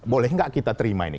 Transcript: boleh nggak kita terima ini